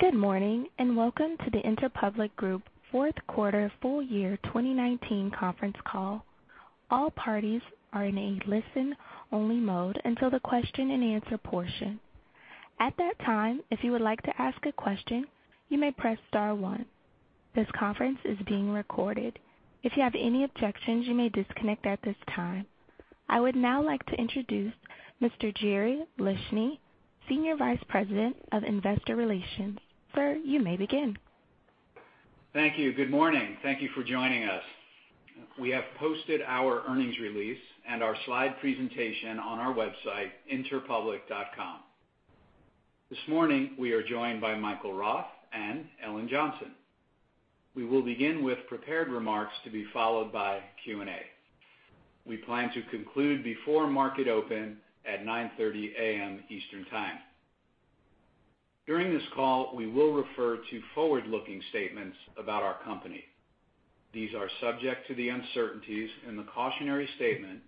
Good morning and welcome to the Interpublic Group fourth quarter full year 2019 conference call. All parties are in a listen-only mode until the question-and-answer portion. At that time, if you would like to ask a question, you may press star one. This conference is being recorded. If you have any objections, you may disconnect at this time. I would now like to introduce Mr. Jerry Leshne, Senior Vice President of Investor Relations. Sir, you may begin. Thank you. Good morning. Thank you for joining us. We have posted our earnings release and our slide presentation on our website, interpublic.com. This morning, we are joined by Michael Roth and Ellen Johnson. We will begin with prepared remarks to be followed by Q&A. We plan to conclude before market open at 9:30 A.M. Eastern Time. During this call, we will refer to forward-looking statements about our company. These are subject to the uncertainties in the cautionary statement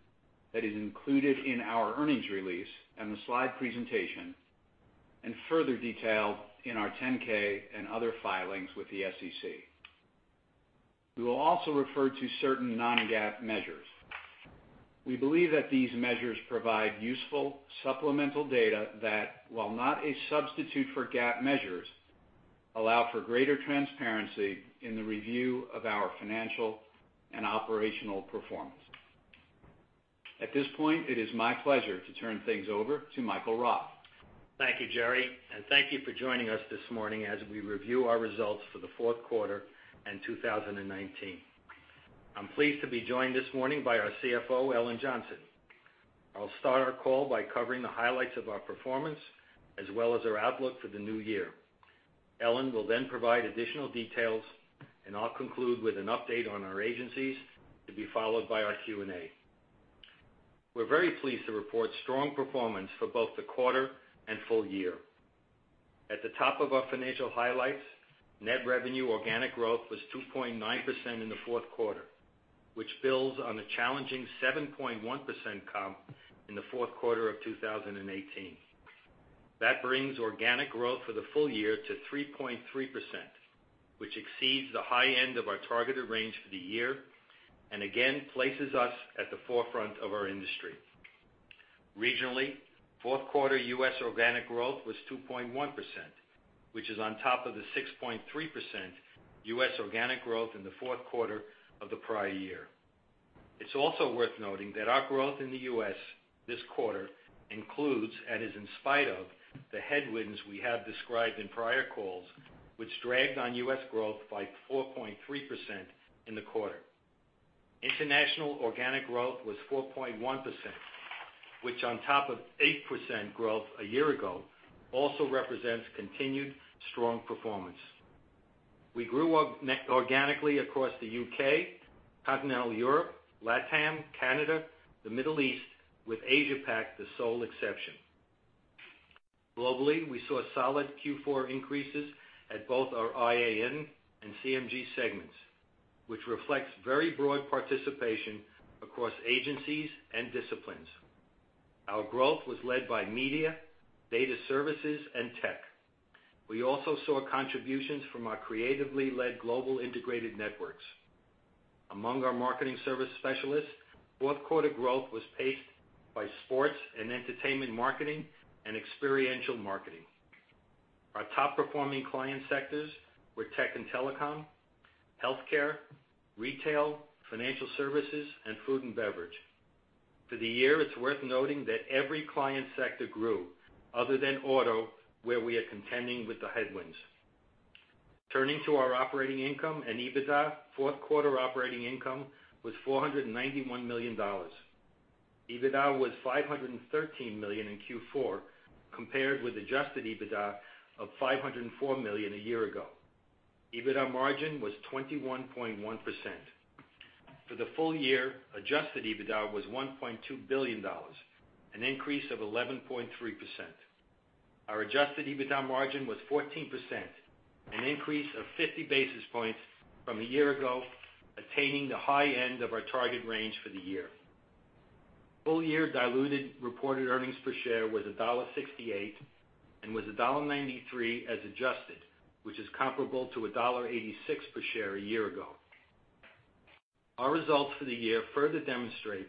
that is included in our earnings release and the slide presentation, and further detailed in our Form 10-K and other filings with the SEC. We will also refer to certain non-GAAP measures. We believe that these measures provide useful supplemental data that, while not a substitute for GAAP measures, allow for greater transparency in the review of our financial and operational performance. At this point, it is my pleasure to turn things over to Michael Roth. Thank you, Jerry, and thank you for joining us this morning as we review our results for the fourth quarter in 2019. I'm pleased to be joined this morning by our CFO, Ellen Johnson. I'll start our call by covering the highlights of our performance as well as our outlook for the new year. Ellen will then provide additional details, and I'll conclude with an update on our agencies to be followed by our Q&A. We're very pleased to report strong performance for both the quarter and full year. At the top of our financial highlights, net revenue organic growth was 2.9% in the fourth quarter, which builds on a challenging 7.1% comp in the fourth quarter of 2018. That brings organic growth for the full year to 3.3%, which exceeds the high end of our targeted range for the year and again places us at the forefront of our industry. Regionally, fourth quarter U.S. organic growth was 2.1%, which is on top of the 6.3% U.S. organic growth in the fourth quarter of the prior year. It's also worth noting that our growth in the U.S. this quarter includes and is in spite of the headwinds we have described in prior calls, which dragged on U.S. growth by 4.3% in the quarter. International organic growth was 4.1%, which on top of 8% growth a year ago also represents continued strong performance. We grew organically across the U.K., continental Europe, LatAm, Canada, the Middle East, with Asia-Pac the sole exception. Globally, we saw solid Q4 increases at both our IAN and CMG segments, which reflects very broad participation across agencies and disciplines. Our growth was led by media, data services, and tech. We also saw contributions from our creatively led global integrated networks. Among our marketing service specialists, fourth quarter growth was paced by sports and entertainment marketing and experiential marketing. Our top performing client sectors were tech and telecom, healthcare, retail, financial services, and food and beverage. For the year, it's worth noting that every client sector grew, other than auto, where we are contending with the headwinds. Turning to our operating income and EBITDA, fourth quarter operating income was $491 million. EBITDA was $513 million in Q4 compared with adjusted EBITDA of $504 million a year ago. EBITDA margin was 21.1%. For the full year, adjusted EBITDA was $1.2 billion, an increase of 11.3%. Our adjusted EBITDA margin was 14%, an increase of 50 basis points from a year ago, attaining the high end of our target range for the year. Full year diluted reported earnings per share was $1.68 and was $1.93 as adjusted, which is comparable to $1.86 per share a year ago. Our results for the year further demonstrate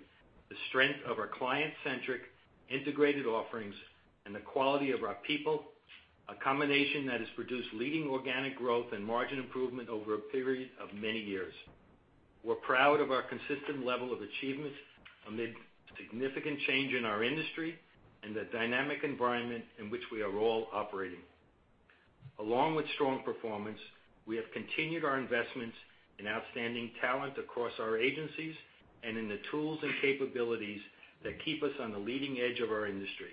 the strength of our client-centric integrated offerings and the quality of our people, a combination that has produced leading organic growth and margin improvement over a period of many years. We're proud of our consistent level of achievements amid significant change in our industry and the dynamic environment in which we are all operating. Along with strong performance, we have continued our investments in outstanding talent across our agencies and in the tools and capabilities that keep us on the leading edge of our industry.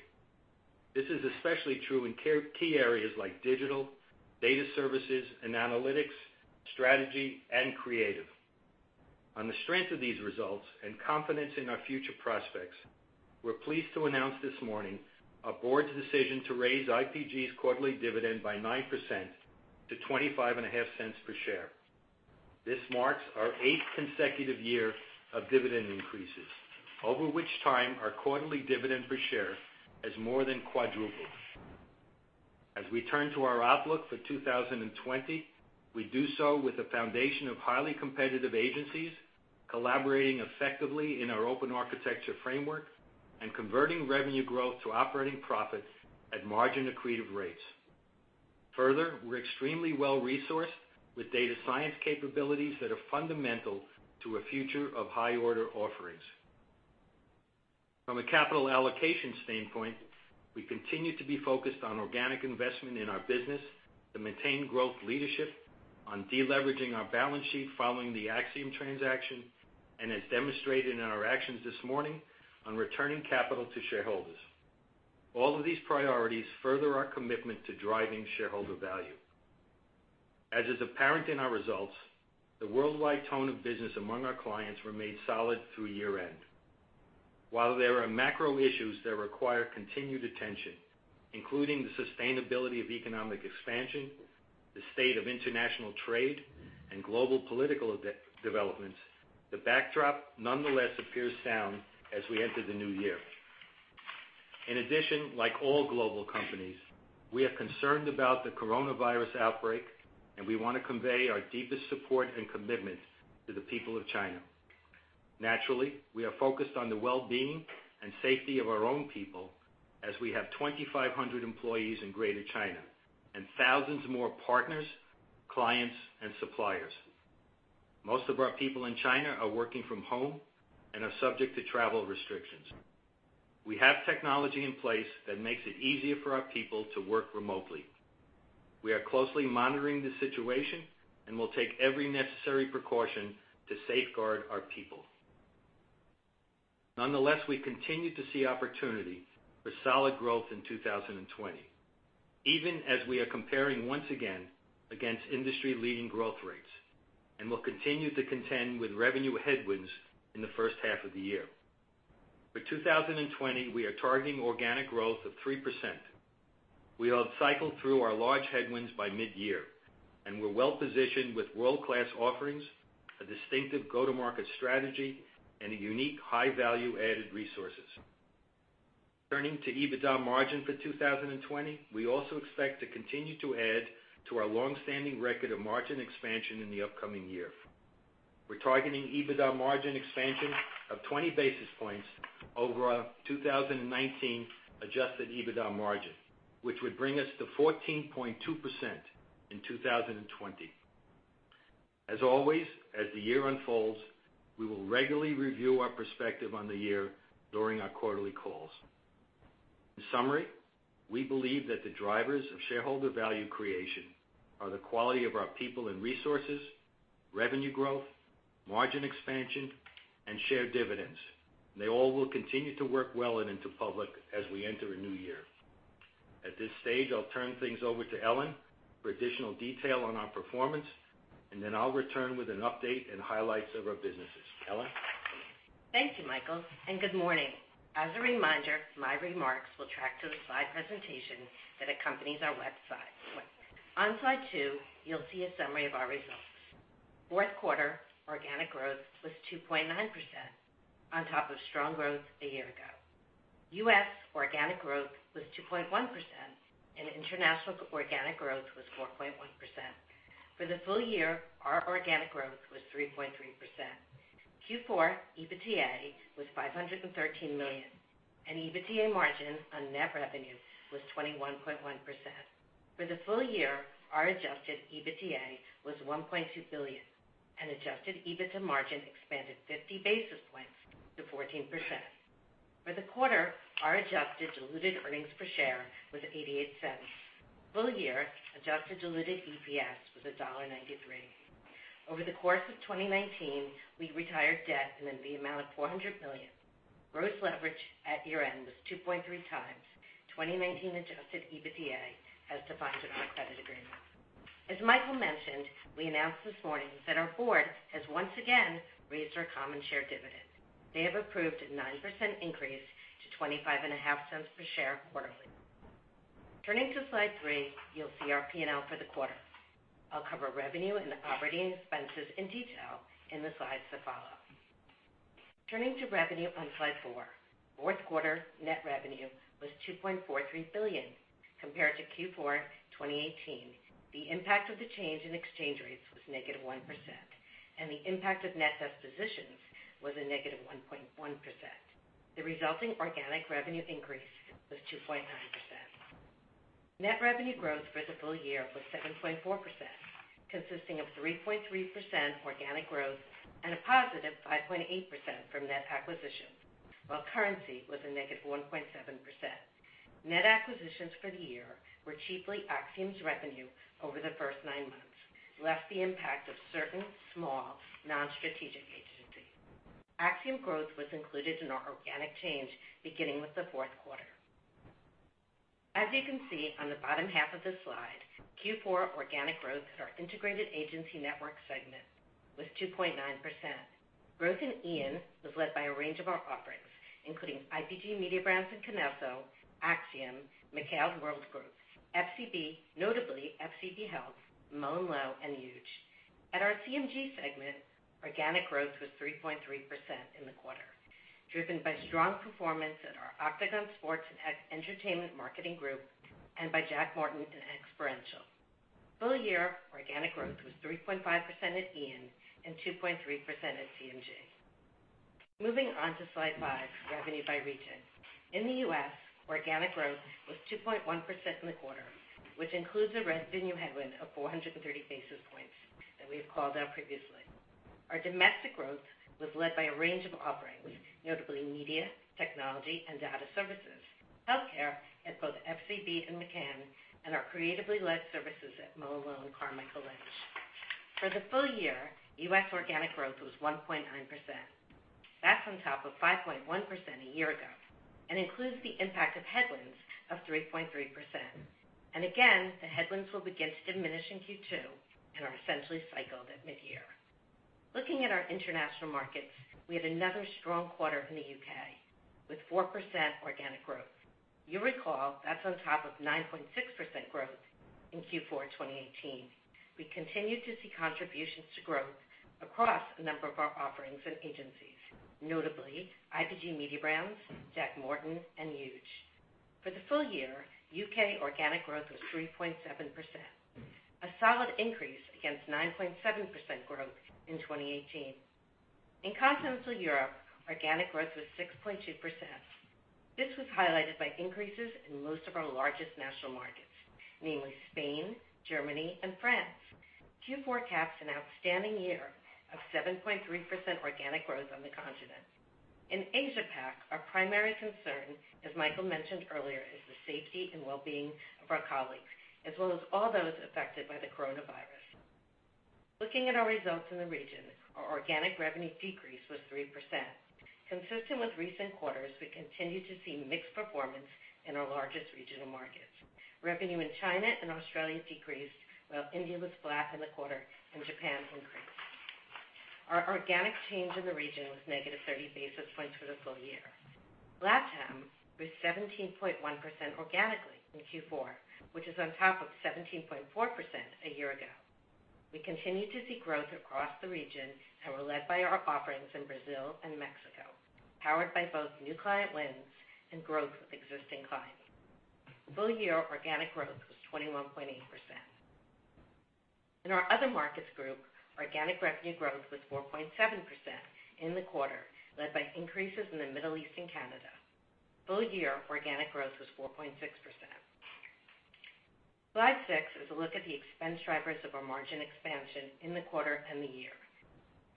This is especially true in key areas like digital, data services, and analytics, strategy, and creative. On the strength of these results and confidence in our future prospects, we're pleased to announce this morning our board's decision to raise IPG's quarterly dividend by 9% to $0.255 per share. This marks our eighth consecutive year of dividend increases, over which time our quarterly dividend per share has more than quadrupled. As we turn to our outlook for 2020, we do so with a foundation of highly competitive agencies collaborating effectively in our open architecture framework and converting revenue growth to operating profit at margin accretive rates. Further, we're extremely well-resourced with data science capabilities that are fundamental to a future of high-order offerings. From a capital allocation standpoint, we continue to be focused on organic investment in our business to maintain growth leadership, on deleveraging our balance sheet following the Acxiom transaction, and as demonstrated in our actions this morning on returning capital to shareholders. All of these priorities further our commitment to driving shareholder value. As is apparent in our results, the worldwide tone of business among our clients remained solid through year-end. While there are macro issues that require continued attention, including the sustainability of economic expansion, the state of international trade, and global political developments, the backdrop nonetheless appears sound as we enter the new year. In addition, like all global companies, we are concerned about the coronavirus outbreak, and we want to convey our deepest support and commitment to the people of China. Naturally, we are focused on the well-being and safety of our own people as we have 2,500 employees in Greater China and thousands more partners, clients, and suppliers. Most of our people in China are working from home and are subject to travel restrictions. We have technology in place that makes it easier for our people to work remotely. We are closely monitoring the situation and will take every necessary precaution to safeguard our people. Nonetheless, we continue to see opportunity for solid growth in 2020, even as we are comparing once again against industry-leading growth rates and will continue to contend with revenue headwinds in the first half of the year. For 2020, we are targeting organic growth of 3%. We have cycled through our large headwinds by mid-year, and we're well-positioned with world-class offerings, a distinctive go-to-market strategy, and unique high-value-added resources. Turning to EBITDA margin for 2020, we also expect to continue to add to our long-standing record of margin expansion in the upcoming year. We're targeting EBITDA margin expansion of 20 basis points over our 2019 adjusted EBITDA margin, which would bring us to 14.2% in 2020. As always, as the year unfolds, we will regularly review our perspective on the year during our quarterly calls. In summary, we believe that the drivers of shareholder value creation are the quality of our people and resources, revenue growth, margin expansion, and shared dividends. They all will continue to work well at Interpublic as we enter a new year. At this stage, I'll turn things over to Ellen for additional detail on our performance, and then I'll return with an update and highlights of our businesses. Ellen? Thank you, Michael, and good morning. As a reminder, my remarks will track to the slide presentation that accompanies our website. On slide two, you'll see a summary of our results. Fourth quarter organic growth was 2.9% on top of strong growth a year ago. U.S. organic growth was 2.1%, and international organic growth was 4.1%. For the full year, our organic growth was 3.3%. Q4 EBITDA was $513 million, and EBITDA margin on net revenue was 21.1%. For the full year, our adjusted EBITDA was $1.2 billion, and adjusted EBITDA margin expanded 50 basis points to 14%. For the quarter, our adjusted diluted earnings per share was $0.88. Full year, adjusted diluted EPS was $1.93. Over the course of 2019, we retired debt in the amount of $400 million. Gross leverage at year-end was 2.3x 2019 adjusted EBITDA as defined in our credit agreement. As Michael mentioned, we announced this morning that our board has once again raised our common share dividend. They have approved a 9% increase to $0.255 per share quarterly. Turning to slide three, you'll see our P&L for the quarter. I'll cover revenue and operating expenses in detail in the slides to follow. Turning to revenue on slide four, fourth quarter net revenue was $2.43 billion compared to Q4 2018. The impact of the change in exchange rates was -1%, and the impact of net dispositions was a -1.1%. The resulting organic revenue increase was 2.9%. Net revenue growth for the full year was 7.4%, consisting of 3.3% organic growth and a +5.8% from net acquisitions, while currency was a -1.7%. Net acquisitions for the year were chiefly Acxiom's revenue over the first nine months, less the impact of certain small non-strategic agencies. Acxiom growth was included in our organic change beginning with the fourth quarter. As you can see on the bottom half of the slide, Q4 organic growth for our Integrated Agency Network segment was 2.9%. Growth in Ian was led by a range of our offerings, including IPG Mediabrands and KINESSO, Acxiom, McCann Worldgroup, FCB, notably FCB Health, MullenLowe, and Huge. At our CMG segment, organic growth was 3.3% in the quarter, driven by strong performance at our Octagon Sports and Entertainment Marketing Group and by Jack Morton and experiential. Full year organic growth was 3.5% at Ian and 2.3% at CMG. Moving on to slide five, revenue by region. In the U.S., organic growth was 2.1% in the quarter, which includes a revenue headwind of 430 basis points that we have called out previously. Our domestic growth was led by a range of offerings, notably media, technology, and data services, healthcare at both FCB and McCann, and our creatively led services at MullenLowe and Carmichael Lynch. For the full year, U.S. organic growth was 1.9%. That's on top of 5.1% a year ago and includes the impact of headwinds of 3.3%, and again, the headwinds will begin to diminish in Q2 and are essentially cycled at mid-year. Looking at our international markets, we had another strong quarter in the U.K. with 4% organic growth. You recall that's on top of 9.6% growth in Q4 2018. We continue to see contributions to growth across a number of our offerings and agencies, notably IPG Mediabrands, Jack Morton, and Huge. For the full year, U.K. organic growth was 3.7%, a solid increase against 9.7% growth in 2018. In continental Europe, organic growth was 6.2%. This was highlighted by increases in most of our largest national markets, namely Spain, Germany, and France. Q4 capped an outstanding year of 7.3% organic growth on the continent. In Asia-Pac, our primary concern, as Michael mentioned earlier, is the safety and well-being of our colleagues, as well as all those affected by the coronavirus. Looking at our results in the region, our organic revenue decrease was 3%. Consistent with recent quarters, we continue to see mixed performance in our largest regional markets. Revenue in China and Australia decreased, while India was flat in the quarter and Japan increased. Our organic change in the region was -30 basis points for the full year. LatAm was 17.1% organically in Q4, which is on top of 17.4% a year ago. We continue to see growth across the region and were led by our offerings in Brazil and Mexico, powered by both new client wins and growth with existing clients. Full year organic growth was 21.8%. In our Other Markets Group, organic revenue growth was 4.7% in the quarter, led by increases in the Middle East and Canada. Full year organic growth was 4.6%. Slide six is a look at the expense drivers of our margin expansion in the quarter and the year.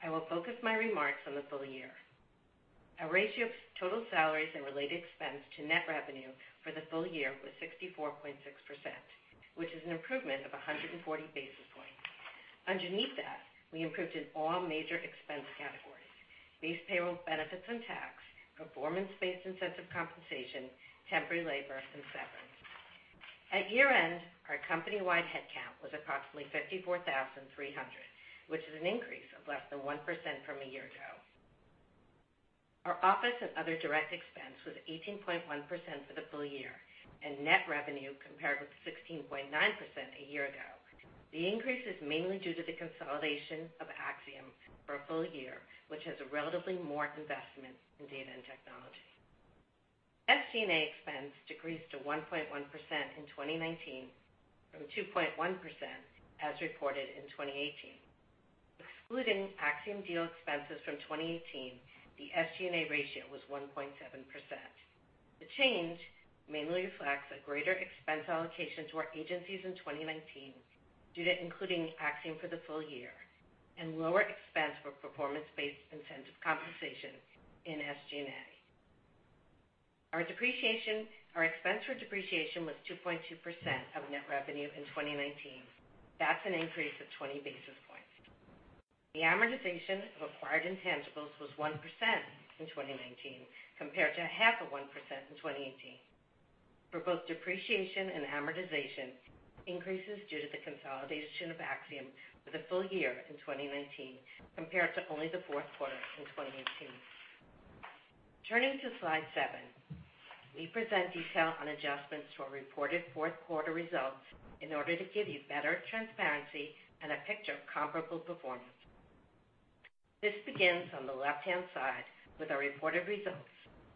I will focus my remarks on the full year. Our ratio of total salaries and related expense to net revenue for the full year was 64.6%, which is an improvement of 140 basis points. Underneath that, we improved in all major expense categories: base payroll benefits and tax, performance-based incentive compensation, temporary labor, and severance. At year-end, our company-wide headcount was approximately 54,300, which is an increase of less than 1% from a year ago. Our ops and other direct expense was 18.1% for the full year, and net revenue compared with 16.9% a year ago. The increase is mainly due to the consolidation of Acxiom for a full year, which has a relatively more investment in data and technology. SG&A expense decreased to 1.1% in 2019 from 2.1% as reported in 2018. Excluding Acxiom deal expenses from 2018, the SG&A ratio was 1.7%. The change mainly reflects a greater expense allocation to our agencies in 2019 due to including Acxiom for the full year and lower expense for performance-based incentive compensation in SG&A. Our expense for depreciation was 2.2% of net revenue in 2019. That's an increase of 20 basis points. The amortization of acquired intangibles was 1% in 2019 compared to 0.5% in 2018. For both depreciation and amortization, increases due to the consolidation of Acxiom for the full year in 2019 compared to only the fourth quarter in 2018. Turning to slide seven, we present detail on adjustments to our reported fourth quarter results in order to give you better transparency and a picture of comparable performance. This begins on the left-hand side with our reported results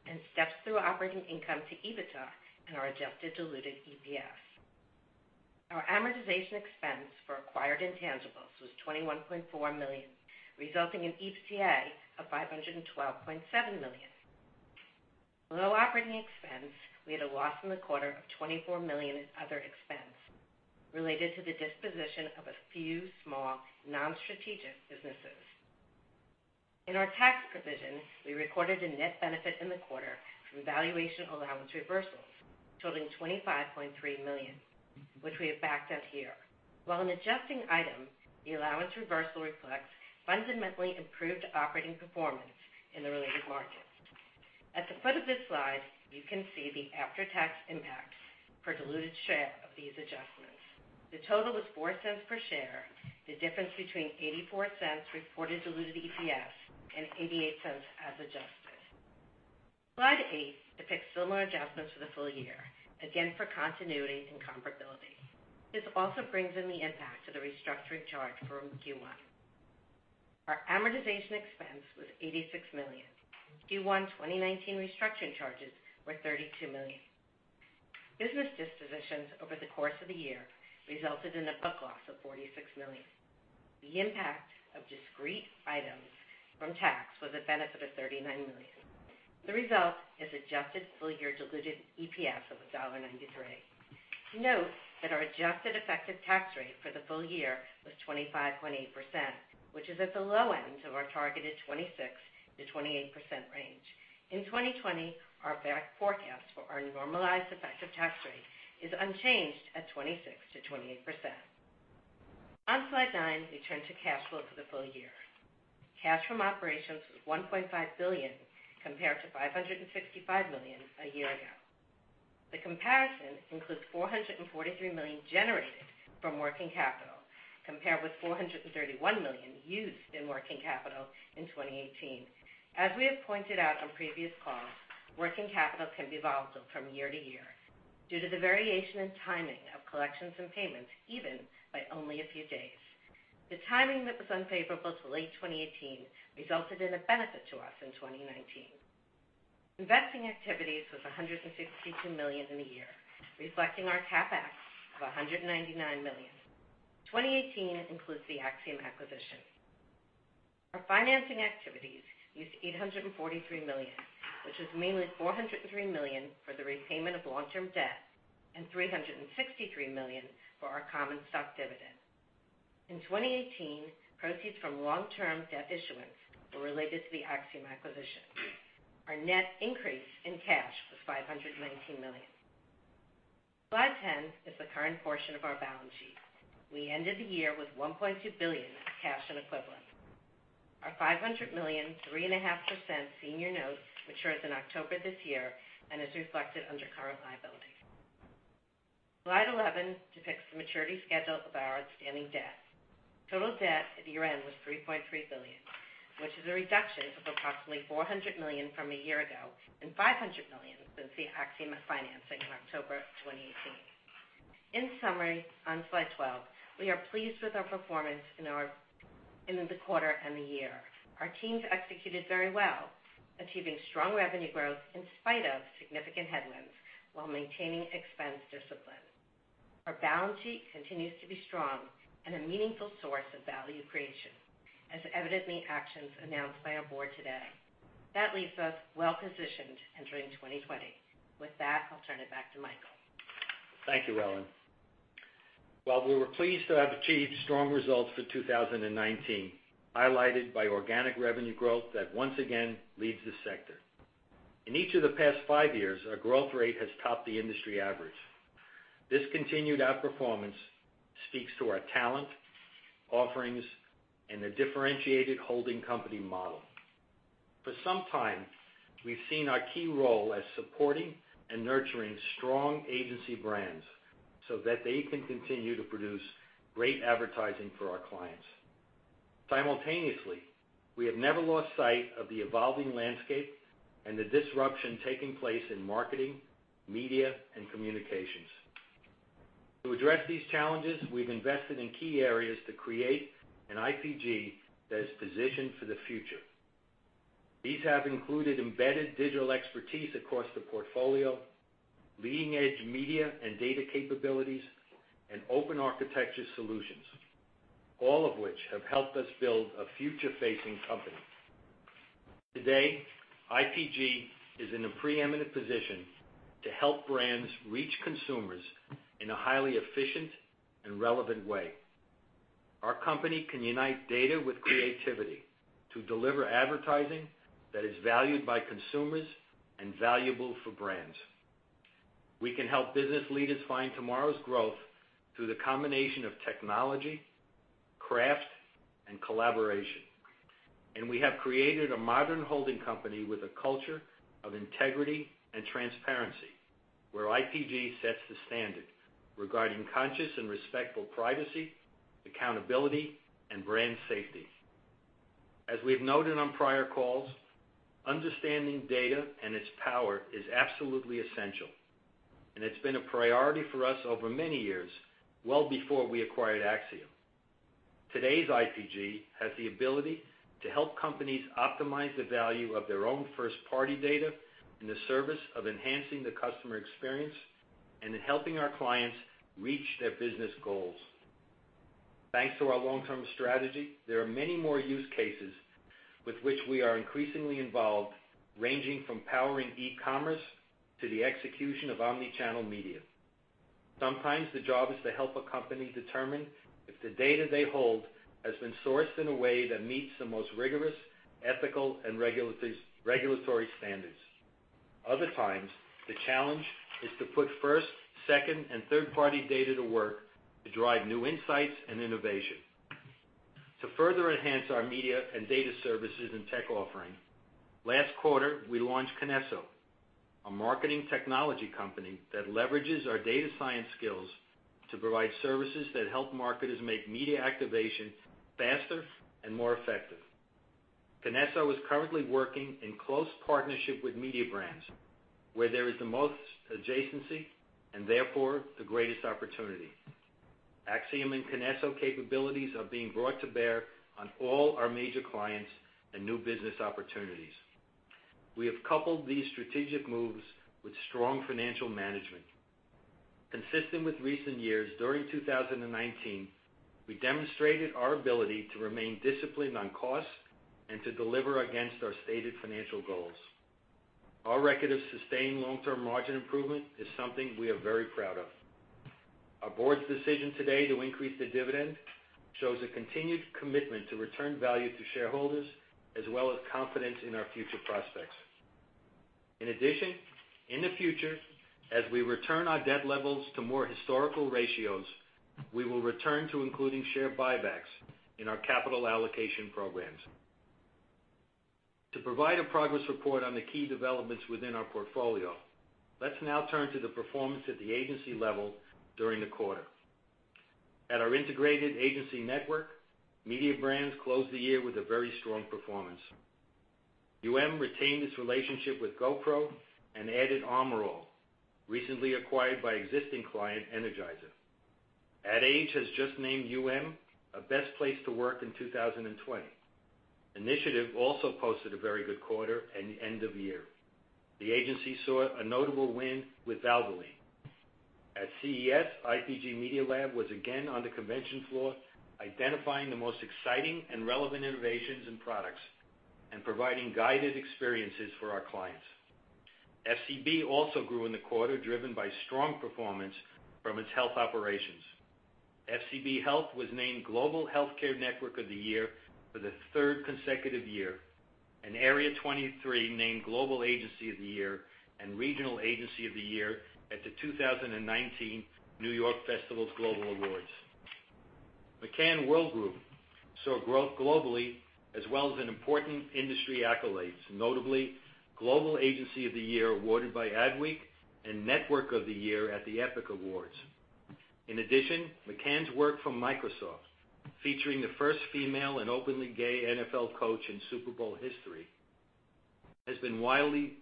and steps through operating income to EBITDA and our adjusted diluted EPS. Our amortization expense for acquired intangibles was $21.4 million, resulting in EBITDA of $512.7 million. Below operating expense, we had a loss in the quarter of $24 million in other expense related to the disposition of a few small non-strategic businesses. In our tax provision, we recorded a net benefit in the quarter from valuation allowance reversals totaling $25.3 million, which we have backed out here. While an adjusting item, the allowance reversal reflects fundamentally improved operating performance in the related markets. At the foot of this slide, you can see the after-tax impacts for diluted share of these adjustments. The total was $0.04 per share, the difference between $0.84 reported diluted EPS and $0.88 as adjusted. Slide eight depicts similar adjustments for the full year, again for continuity and comparability. This also brings in the impact of the restructuring charge from Q1. Our amortization expense was $86 million. Q1 2019 restructuring charges were $32 million. Business dispositions over the course of the year resulted in a book loss of $46 million. The impact of discrete items from tax was a benefit of $39 million. The result is adjusted full year diluted EPS of $1.93. Note that our adjusted effective tax rate for the full year was 25.8%, which is at the low end of our targeted 26%-28% range. In 2020, our outlook for our normalized effective tax rate is unchanged at 26%-28%. On slide nine, we turn to cash flow for the full year. Cash from operations was $1.5 billion compared to $565 million a year ago. The comparison includes $443 million generated from working capital, compared with $431 million used in working capital in 2018. As we have pointed out on previous calls, working capital can be volatile from year to year due to the variation in timing of collections and payments, even by only a few days. The timing that was unfavorable to late 2018 resulted in a benefit to us in 2019. Investing activities was $162 million in a year, reflecting our CapEx of $199 million. 2018 includes the Acxiom acquisition. Our financing activities used $843 million, which was mainly $403 million for the repayment of long-term debt and $363 million for our common stock dividend. In 2018, proceeds from long-term debt issuance were related to the Acxiom acquisition. Our net increase in cash was $519 million. Slide 10 is the current portion of our balance sheet. We ended the year with $1.2 billion of cash and equivalents. Our $500 million, 3.5% senior note matures in October this year and is reflected under current liability. Slide 11 depicts the maturity schedule of our outstanding debt. Total debt at year-end was $3.3 billion, which is a reduction of approximately $400 million from a year ago and $500 million since the Acxiom financing in October 2018. In summary, on slide 12, we are pleased with our performance in the quarter and the year. Our teams executed very well, achieving strong revenue growth in spite of significant headwinds while maintaining expense discipline. Our balance sheet continues to be strong and a meaningful source of value creation, as evident in the actions announced by our board today. That leaves us well-positioned entering 2020. With that, I'll turn it back to Michael. Thank you, Ellen. We were pleased to have achieved strong results for 2019, highlighted by organic revenue growth that once again leads the sector. In each of the past five years, our growth rate has topped the industry average. This continued outperformance speaks to our talent, offerings, and a differentiated holding company model. For some time, we've seen our key role as supporting and nurturing strong agency brands so that they can continue to produce great advertising for our clients. Simultaneously, we have never lost sight of the evolving landscape and the disruption taking place in marketing, media, and communications. To address these challenges, we've invested in key areas to create an IPG that is positioned for the future. These have included embedded digital expertise across the portfolio, leading-edge media and data capabilities, and open architecture solutions, all of which have helped us build a future-facing company. Today, IPG is in a preeminent position to help brands reach consumers in a highly efficient and relevant way. Our company can unite data with creativity to deliver advertising that is valued by consumers and valuable for brands. We can help business leaders find tomorrow's growth through the combination of technology, craft, and collaboration, and we have created a modern holding company with a culture of integrity and transparency where IPG sets the standard regarding conscious and respectful privacy, accountability, and brand safety. As we've noted on prior calls, understanding data and its power is absolutely essential, and it's been a priority for us over many years, well before we acquired Acxiom. Today's IPG has the ability to help companies optimize the value of their own first-party data in the service of enhancing the customer experience and in helping our clients reach their business goals. Thanks to our long-term strategy, there are many more use cases with which we are increasingly involved, ranging from powering e-commerce to the execution of omnichannel media. Sometimes the job is to help a company determine if the data they hold has been sourced in a way that meets the most rigorous ethical and regulatory standards. Other times, the challenge is to put first-party, second-party, and third-party data to work to drive new insights and innovation. To further enhance our media and data services and tech offering, last quarter, we launched KINESSO, a marketing technology company that leverages our data science skills to provide services that help marketers make media activation faster and more effective. KINESSO is currently working in close partnership with Mediabrands, where there is the most adjacency and therefore the greatest opportunity. Acxiom and KINESSO capabilities are being brought to bear on all our major clients and new business opportunities. We have coupled these strategic moves with strong financial management. Consistent with recent years, during 2019, we demonstrated our ability to remain disciplined on costs and to deliver against our stated financial goals. Our record of sustained long-term margin improvement is something we are very proud of. Our board's decision today to increase the dividend shows a continued commitment to return value to shareholders, as well as confidence in our future prospects. In addition, in the future, as we return our debt levels to more historical ratios, we will return to including share buybacks in our capital allocation programs. To provide a progress report on the key developments within our portfolio, let's now turn to the performance at the agency level during the quarter. At our integrated agency network, Mediabrands closed the year with a very strong performance. Retained its relationship with GoPro and added Armor All, recently acquired by existing client Energizer. Ad Age has just named a best place to work in 2020. Initiative also posted a very good quarter and end of year. The agency saw a notable win with Valvoline. At CES, IPG Media Lab was again on the convention floor, identifying the most exciting and relevant innovations and products and providing guided experiences for our clients. FCB also grew in the quarter, driven by strong performance from its health operations. FCB Health was named Global Healthcare Network of the Year for the third consecutive year, and Area 23 named Global Agency of the Year and Regional Agency of the Year at the 2019 New York Festivals Global Awards. McCann Worldgroup saw growth globally, as well as important industry accolades, notably Global Agency of the Year awarded by Adweek and Network of the Year at the Epica Awards. In addition, McCann's work from Microsoft, featuring the first female and openly gay NFL coach in Super Bowl history, has been widely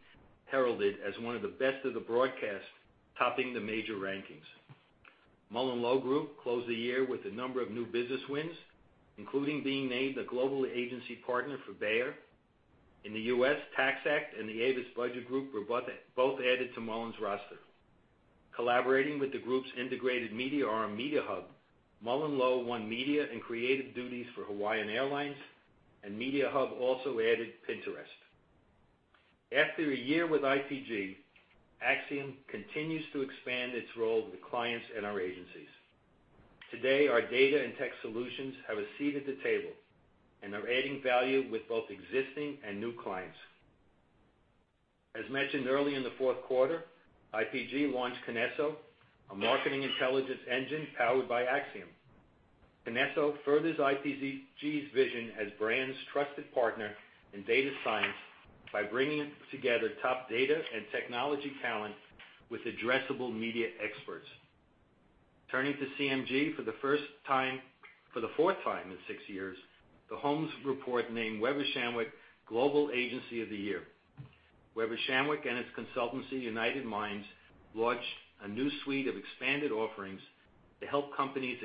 heralded as one of the best of the broadcast, topping the major rankings. MullenLowe Group closed the year with a number of new business wins, including being named a global agency partner for Bayer. In the U.S., TaxAct and the Avis Budget Group were both added to Mullen's roster. Collaborating with the group's integrated media arm Mediahub, MullenLowe won media and creative duties for Hawaiian Airlines, and Mediahub also added Pinterest. After a year with IPG, Acxiom continues to expand its role with clients and our agencies. Today, our data and tech solutions have a seat at the table and are adding value with both existing and new clients. As mentioned earlier in the fourth quarter, IPG launched KINESSO, a marketing intelligence engine powered by Acxiom. KINESSO furthers IPG's vision as brands' trusted partner in data science by bringing together top data and technology talent with addressable media experts. Turning to CMG for the fourth time in six years, the Holmes Report named Weber Shandwick Global Agency of the Year. Weber Shandwick and its consultancy, United Minds, launched a new suite of expanded offerings to help companies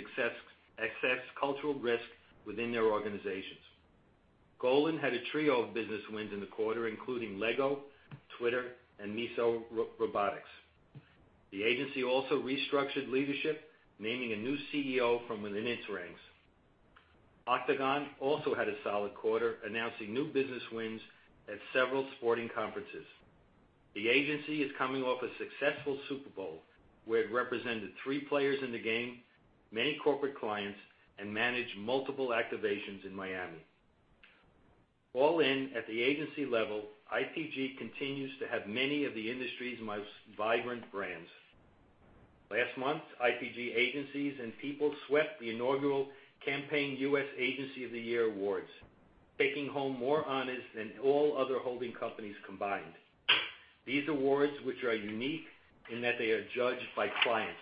access cultural risk within their organizations. Golin had a trio of business wins in the quarter, including LEGO, Twitter, and Miso Robotics. The agency also restructured leadership, naming a new CEO from within its ranks. Octagon also had a solid quarter, announcing new business wins at several sporting conferences. The agency is coming off a successful Super Bowl, where it represented three players in the game, many corporate clients, and managed multiple activations in Miami. All in, at the agency level, IPG continues to have many of the industry's most vibrant brands. Last month, IPG agencies and people swept the inaugural Campaign U.S. Agency of the Year awards, taking home more honors than all other holding companies combined. These awards, which are unique in that they are judged by clients,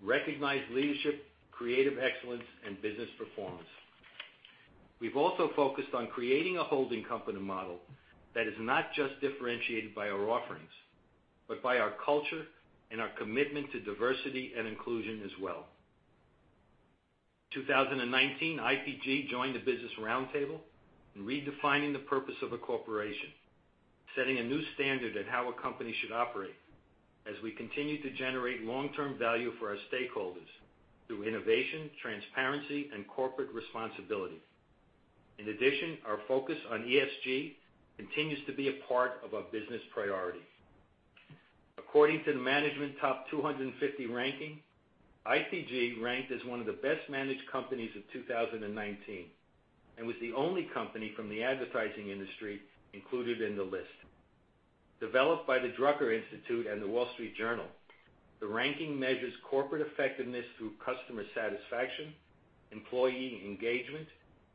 recognize leadership, creative excellence, and business performance. We've also focused on creating a holding company model that is not just differentiated by our offerings, but by our culture and our commitment to diversity and inclusion as well. In 2019, IPG joined the Business Roundtable in redefining the purpose of a corporation, setting a new standard at how a company should operate as we continue to generate long-term value for our stakeholders through innovation, transparency, and corporate responsibility. In addition, our focus on ESG continues to be a part of our business priority. According to the Management Top 250 ranking, IPG ranked as one of the best-managed companies of 2019 and was the only company from the advertising industry included in the list. Developed by the Drucker Institute and the Wall Street Journal, the ranking measures corporate effectiveness through customer satisfaction, employee engagement,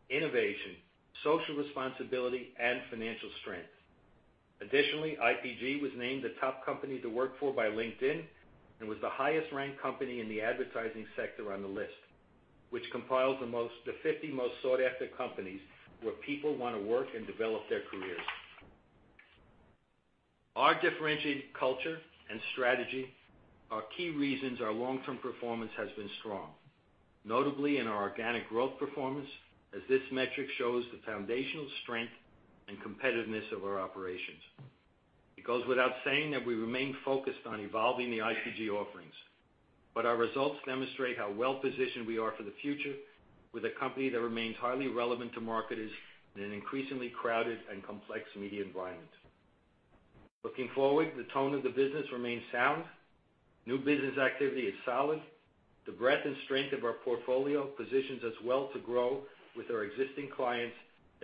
innovation, social responsibility, and financial strength. Additionally, IPG was named the top company to work for by LinkedIn and was the highest-ranked company in the advertising sector on the list, which compiles the 50 most sought-after companies where people want to work and develop their careers. Our differentiated culture and strategy are key reasons our long-term performance has been strong, notably in our organic growth performance, as this metric shows the foundational strength and competitiveness of our operations. It goes without saying that we remain focused on evolving the IPG offerings, but our results demonstrate how well-positioned we are for the future with a company that remains highly relevant to marketers in an increasingly crowded and complex media environment. Looking forward, the tone of the business remains sound. New business activity is solid. The breadth and strength of our portfolio positions us well to grow with our existing clients,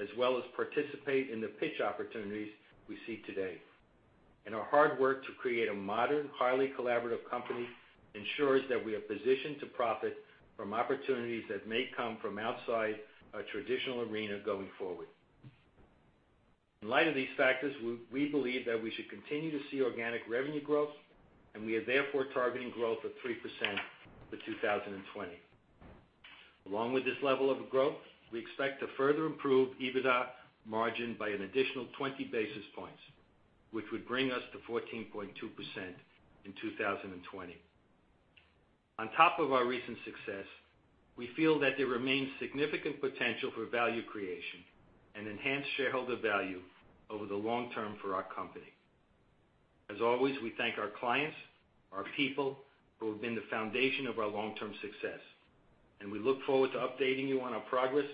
as well as participate in the pitch opportunities we see today, and our hard work to create a modern, highly collaborative company ensures that we are positioned to profit from opportunities that may come from outside our traditional arena going forward. In light of these factors, we believe that we should continue to see organic revenue growth, and we are therefore targeting growth of 3% for 2020. Along with this level of growth, we expect to further improve EBITDA margin by an additional 20 basis points, which would bring us to 14.2% in 2020. On top of our recent success, we feel that there remains significant potential for value creation and enhanced shareholder value over the long term for our company. As always, we thank our clients, our people, who have been the foundation of our long-term success, and we look forward to updating you on our progress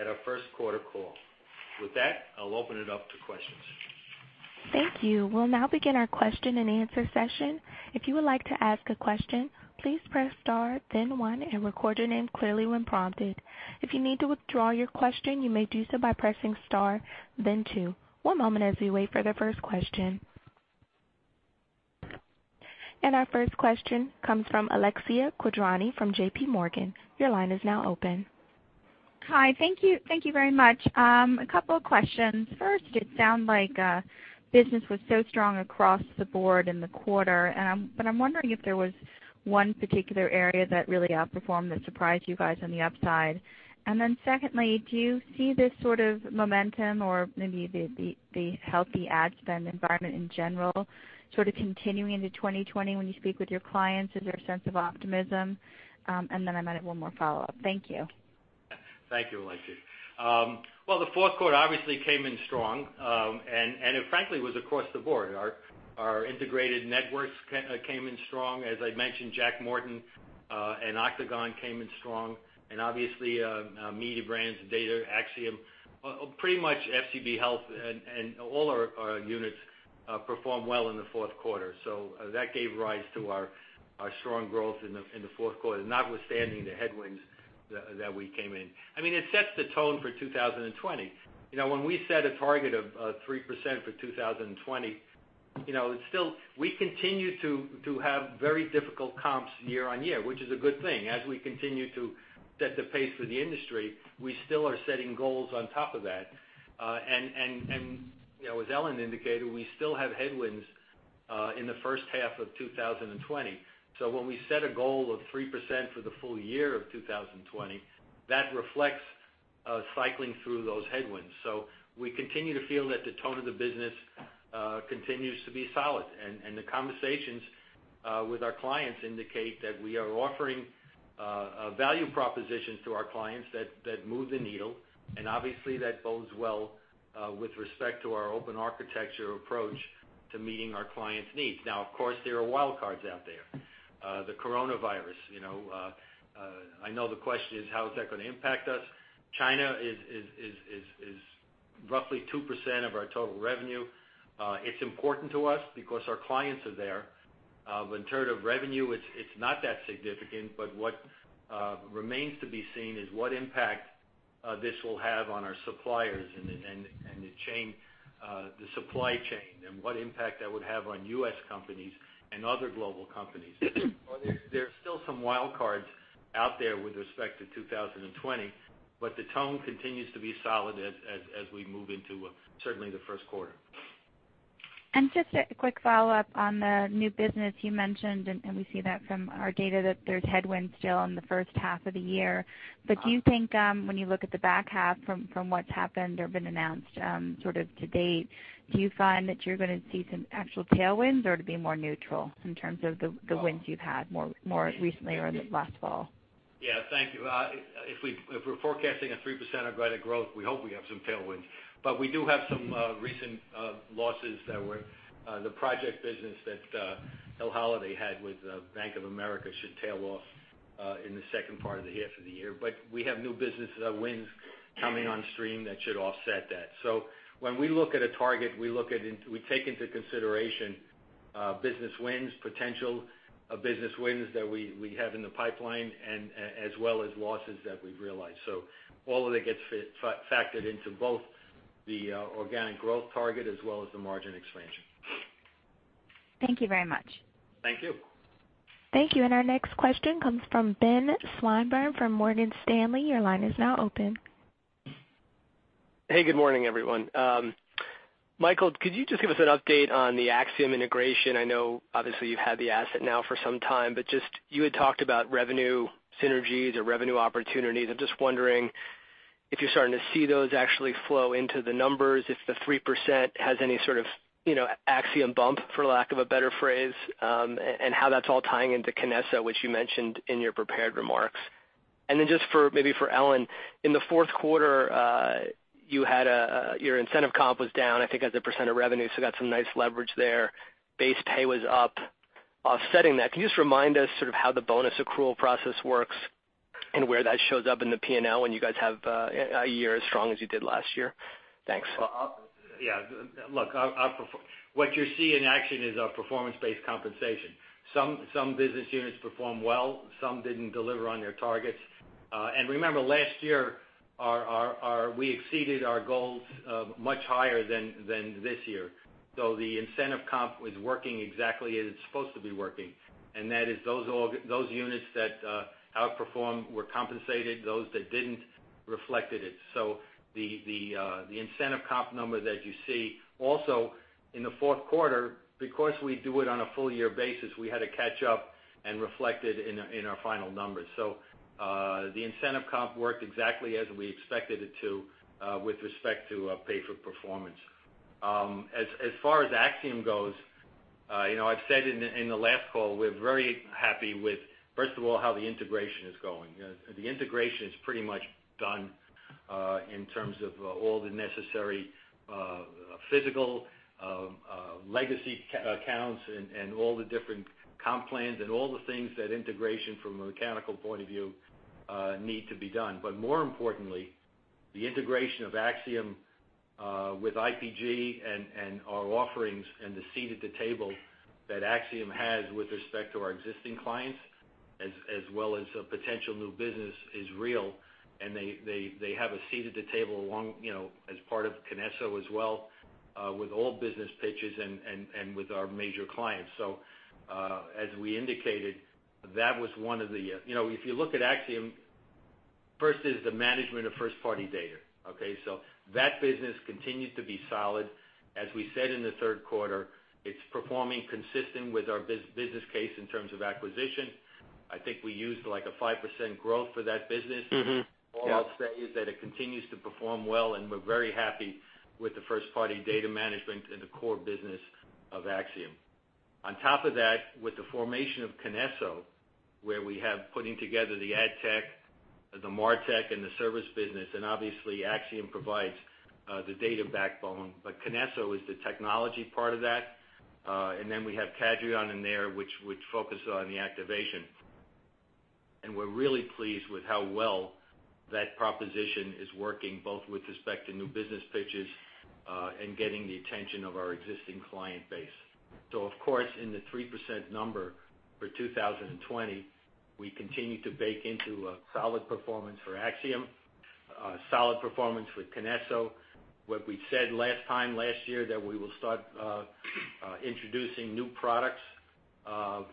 at our first quarter call. With that, I'll open it up to questions. Thank you. We'll now begin our question and answer session. If you would like to ask a question, please press star, then one, and record your name clearly when prompted. If you need to withdraw your question, you may do so by pressing star, then two. One moment as we wait for the first question. And our first question comes from Alexia Quadrani from JPMorgan. Your line is now open. Hi. Thank you very much. A couple of questions. First, it sounds like business was so strong across the board in the quarter, but I'm wondering if there was one particular area that really outperformed that surprised you guys on the upside. And then secondly, do you see this sort of momentum or maybe the healthy ad spend environment in general sort of continuing into 2020 when you speak with your clients? Is there a sense of optimism? And then I might have one more follow-up. Thank you. Thank you, Alexia. Well, the fourth quarter obviously came in strong, and it frankly was across the board. Our integrated networks came in strong. As I mentioned, Jack Morton and Octagon came in strong. And obviously, Mediabrands, data, Acxiom, pretty much FCB Health and all our units performed well in the fourth quarter. So that gave rise to our strong growth in the fourth quarter, notwithstanding the headwinds that we came in. I mean, it sets the tone for 2020. When we set a target of 3% for 2020, we continue to have very difficult comps year on year, which is a good thing. As we continue to set the pace for the industry, we still are setting goals on top of that. And as Ellen indicated, we still have headwinds in the first half of 2020. So when we set a goal of 3% for the full year of 2020, that reflects cycling through those headwinds. So we continue to feel that the tone of the business continues to be solid. And the conversations with our clients indicate that we are offering value propositions to our clients that move the needle. Obviously, that bodes well with respect to our open architecture approach to meeting our clients' needs. Now, of course, there are wild cards out there. The coronavirus. I know the question is, how is that going to impact us? China is roughly 2% of our total revenue. It's important to us because our clients are there. In terms of revenue, it's not that significant, but what remains to be seen is what impact this will have on our suppliers and the supply chain and what impact that would have on U.S. companies and other global companies. There are still some wild cards out there with respect to 2020, but the tone continues to be solid as we move into certainly the first quarter. And just a quick follow-up on the new business you mentioned, and we see that from our data that there's headwinds still in the first half of the year. But do you think when you look at the back half from what's happened or been announced sort of to date, do you find that you're going to see some actual tailwinds or to be more neutral in terms of the wins you've had more recently or last fall? Yeah. Thank you. If we're forecasting a 3% organic growth, we hope we have some tailwinds. But we do have some recent losses that the project business that Hill Holliday had with Bank of America should tail off in the second part of the year for the year. But we have new business wins coming on stream that should offset that. So when we look at a target, we take into consideration business wins, potential business wins that we have in the pipeline, as well as losses that we've realized. So all of that gets factored into both the organic growth target as well as the margin expansion. Thank you very much. Thank you. Thank you. Our next question comes from Ben Swinburne from Morgan Stanley. Your line is now open. Hey, good morning, everyone. Michael, could you just give us an update on the Acxiom integration? I know, obviously, you've had the asset now for some time, but just you had talked about revenue synergies or revenue opportunities. I'm just wondering if you're starting to see those actually flow into the numbers, if the 3% has any sort of Acxiom bump, for lack of a better phrase, and how that's all tying into KINESSO, which you mentioned in your prepared remarks. And then just maybe for Ellen, in the fourth quarter, your incentive comp was down, I think, as a percent of revenue, so got some nice leverage there. Base pay was up. Offsetting that, can you just remind us sort of how the bonus accrual process works and where that shows up in the P&L when you guys have a year as strong as you did last year? Thanks. Yeah. Look, what you're seeing in action is our performance-based compensation. Some business units performed well. Some didn't deliver on their targets. And remember, last year, we exceeded our goals much higher than this year. So the incentive comp was working exactly as it's supposed to be working. And that is those units that outperformed were compensated, those that didn't reflected it. So the incentive comp number that you see also in the fourth quarter, because we do it on a full-year basis, we had to catch up and reflect it in our final numbers. So the incentive comp worked exactly as we expected it to with respect to pay for performance. As far as Acxiom goes, I've said in the last call, we're very happy with, first of all, how the integration is going. The integration is pretty much done in terms of all the necessary physical legacy accounts and all the different comp plans and all the things that integration from a mechanical point of view need to be done. But more importantly, the integration of Acxiom with IPG and our offerings and the seat at the table that Acxiom has with respect to our existing clients, as well as potential new business, is real. And they have a seat at the table as part of KINESSO as well with all business pitches and with our major clients. So as we indicated, that was one of the, if you look at Acxiom, first is the management of first-party data. Okay? So that business continues to be solid. As we said in the third quarter, it's performing consistent with our business case in terms of acquisition. I think we used like a 5% growth for that business. All I'll say is that it continues to perform well, and we're very happy with the first-party data management and the core business of Acxiom. On top of that, with the formation of KINESSO, where we have putting together the ad tech, the mar tech, and the service business, and obviously, Acxiom provides the data backbone, but KINESSO is the technology part of that. And then we have Cadreon in there, which focuses on the activation. And we're really pleased with how well that proposition is working both with respect to new business pitches and getting the attention of our existing client base. So of course, in the 3% number for 2020, we continue to bake into a solid performance for Acxiom, solid performance for KINESSO. What we said last time last year that we will start introducing new products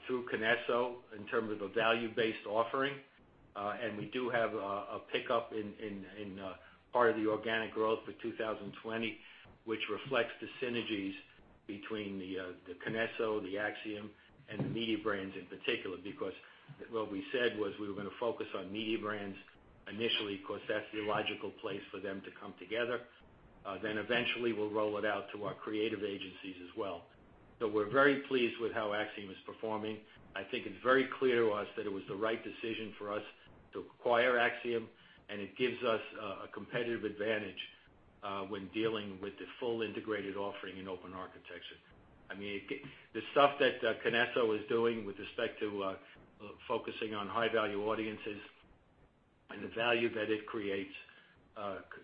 through KINESSO in terms of a value-based offering. And we do have a pickup in part of the organic growth for 2020, which reflects the synergies between the KINESSO, the Acxiom, and the Mediabrands in particular, because what we said was we were going to focus on Mediabrands initially because that's the logical place for them to come together. Then eventually, we'll roll it out to our creative agencies as well. So we're very pleased with how Acxiom is performing. I think it's very clear to us that it was the right decision for us to acquire Acxiom, and it gives us a competitive advantage when dealing with the full integrated offering in open architecture. I mean, the stuff that KINESSO is doing with respect to focusing on high-value audiences and the value that it creates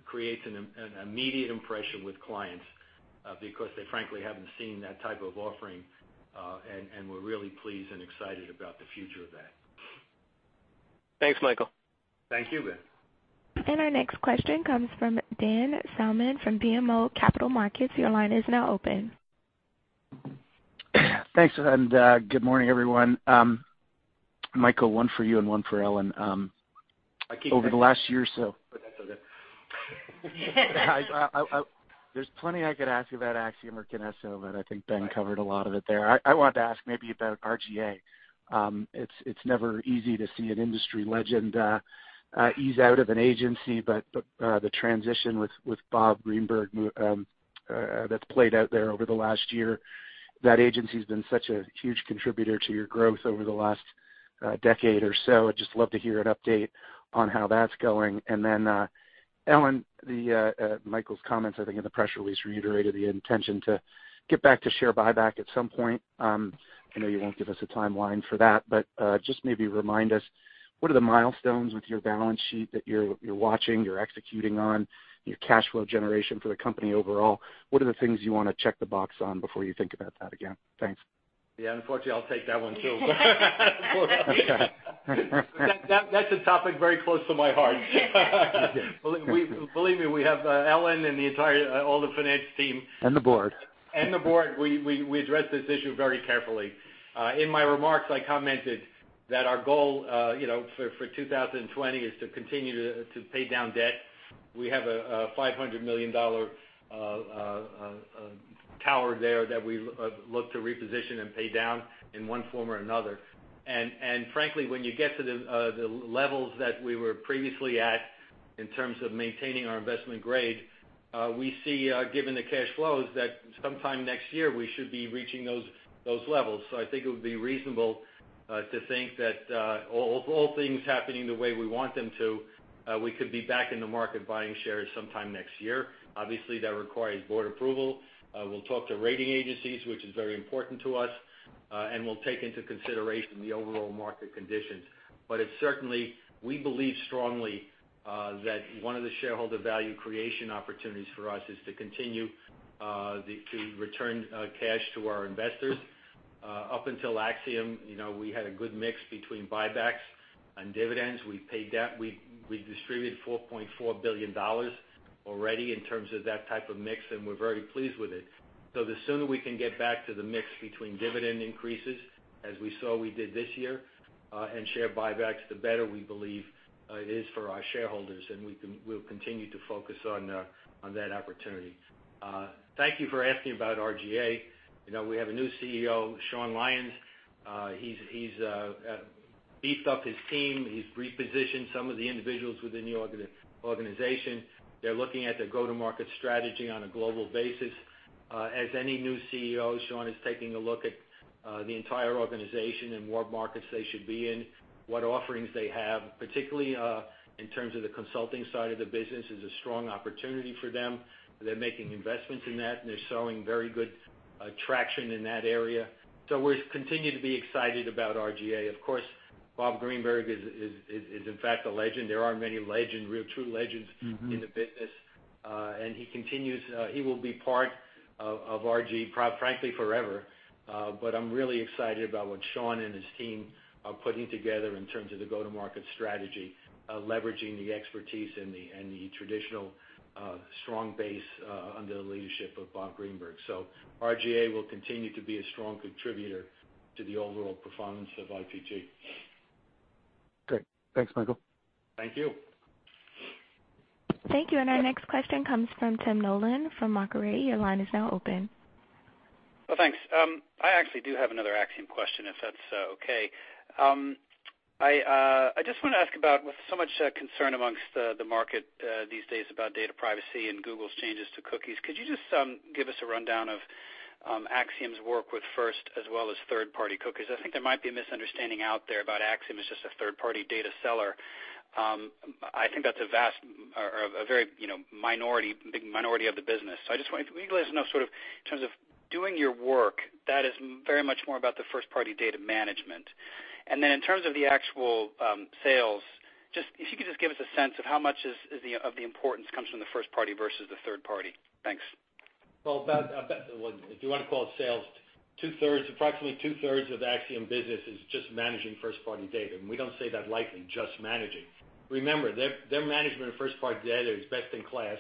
creates an immediate impression with clients because they frankly haven't seen that type of offering, and we're really pleased and excited about the future of that. Thanks, Michael. Thank you, Ben. Our next question comes from Dan Salmon from BMO Capital Markets. Your line is now open. Thanks. And good morning, everyone. Michael, one for you and one for Ellen. I keep going. Over the last year or so. That's okay. There's plenty I could ask about Acxiom or KINESSO, but I think Ben covered a lot of it there. I wanted to ask maybe about R/GA. It's never easy to see an industry legend ease out of an agency, but the transition with Bob Greenberg that's played out there over the last year, that agency has been such a huge contributor to your growth over the last decade or so. I'd just love to hear an update on how that's going. And then Ellen, Michael's comments, I think, in the press release reiterated the intention to get back to share buyback at some point. I know you won't give us a timeline for that, but just maybe remind us, what are the milestones with your balance sheet that you're watching, you're executing on, your cash flow generation for the company overall? What are the things you want to check the box on before you think about that again? Thanks. Yeah. Unfortunately, I'll take that one too. That's a topic very close to my heart. Believe me, we have Ellen and the entire finance team, and the board. We address this issue very carefully. In my remarks, I commented that our goal for 2020 is to continue to pay down debt. We have a $500 million tower there that we look to reposition and pay down in one form or another. Frankly, when you get to the levels that we were previously at in terms of maintaining our investment grade, we see, given the cash flows, that sometime next year we should be reaching those levels. I think it would be reasonable to think that, all things happening the way we want them to, we could be back in the market buying shares sometime next year. Obviously, that requires board approval. We'll talk to rating agencies, which is very important to us, and we'll take into consideration the overall market conditions. But certainly, we believe strongly that one of the shareholder value creation opportunities for us is to continue to return cash to our investors. Up until Acxiom, we had a good mix between buybacks and dividends. We distributed $4.4 billion already in terms of that type of mix, and we're very pleased with it. So the sooner we can get back to the mix between dividend increases, as we saw we did this year, and share buybacks, the better we believe it is for our shareholders, and we'll continue to focus on that opportunity. Thank you for asking about R/GA. We have a new CEO, Sean Lyons. He's beefed up his team. He's repositioned some of the individuals within the organization. They're looking at their go-to-market strategy on a global basis. As any new CEO, Sean is taking a look at the entire organization and what markets they should be in, what offerings they have, particularly in terms of the consulting side of the business is a strong opportunity for them. They're making investments in that, and they're showing very good traction in that area, so we continue to be excited about R/GA. Of course, Bob Greenberg is, in fact, a legend. There aren't many legends, real true legends in the business, and he will be part of R/GA, frankly, forever, but I'm really excited about what Sean and his team are putting together in terms of the go-to-market strategy, leveraging the expertise and the traditional strong base under the leadership of Bob Greenberg, so R/GA will continue to be a strong contributor to the overall performance of IPG. Great. Thanks, Michael. Thank you. And our next question comes from Tim Nollen from Macquarie. Your line is now open. Thanks. I actually do have another Acxiom question, if that's okay. I just want to ask about, with so much concern amongst the market these days about data privacy and Google's changes to cookies, could you just give us a rundown of Acxiom's work with first-party as well as third-party cookies? I think there might be a misunderstanding out there about Acxiom as just a third-party data seller. I think that's a vast or a very minority of the business. So I just wanted to let us know sort of in terms of doing your work, that is very much more about the first-party data management. And then in terms of the actual sales, just if you could just give us a sense of how much of the importance comes from the first-party versus the third-party. Thanks. Well, if you want to call it sales, approximately 2/3 of Acxiom's business is just managing first-party data. And we don't say that lightly, just managing. Remember, their management of first-party data is best in class.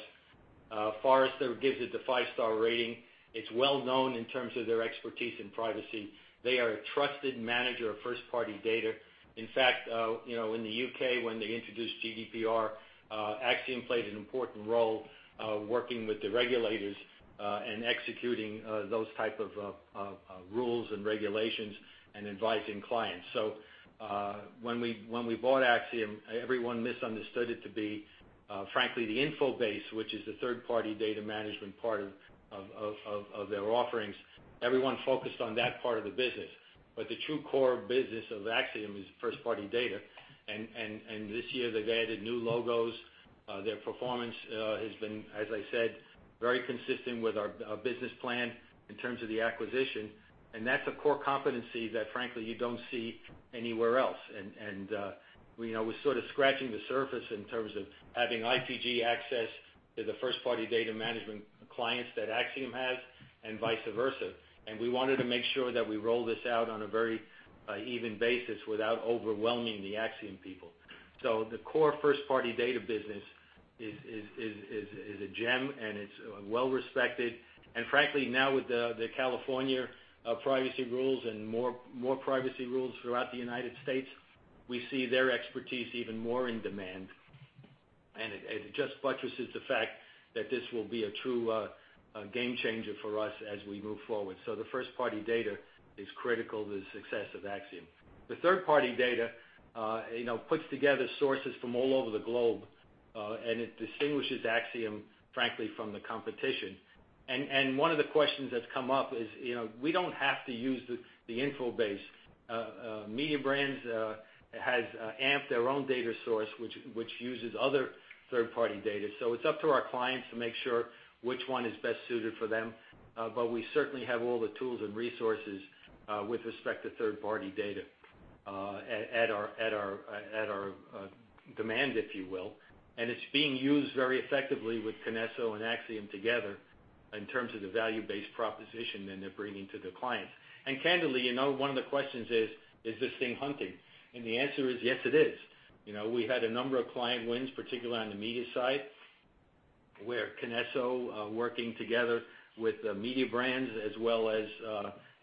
Forrester gives it the five-star rating. It's well-known in terms of their expertise in privacy. They are a trusted manager of first-party data. In fact, in the U.K., when they introduced GDPR, Acxiom played an important role working with the regulators and executing those types of rules and regulations and advising clients. So when we bought Acxiom, everyone misunderstood it to be, frankly, the InfoBase, which is the third-party data management part of their offerings. Everyone focused on that part of the business, but the true core business of Acxiom is first-party data, and this year, they've added new logos. Their performance has been, as I said, very consistent with our business plan in terms of the acquisition, and that's a core competency that, frankly, you don't see anywhere else, and we're sort of scratching the surface in terms of having IPG access to the first-party data management clients that Acxiom has and vice versa, and we wanted to make sure that we roll this out on a very even basis without overwhelming the Acxiom people, so the core first-party data business is a gem, and it's well-respected, and frankly, now with the California privacy rules and more privacy rules throughout the United States, we see their expertise even more in demand. And it just buttresses the fact that this will be a true game changer for us as we move forward. So the first-party data is critical to the success of Acxiom. The third-party data puts together sources from all over the globe, and it distinguishes Acxiom, frankly, from the competition. And one of the questions that's come up is we don't have to use the InfoBase. Mediabrands have amped their own data source, which uses other third-party data. So it's up to our clients to make sure which one is best suited for them. But we certainly have all the tools and resources with respect to third-party data at our demand, if you will. And it's being used very effectively with KINESSO and Acxiom together in terms of the value-based proposition that they're bringing to the clients. And candidly, one of the questions is, is this thing hunting? And the answer is, yes, it is. We had a number of client wins, particularly on the media side, where KINESSO, working together with the Mediabrands as well as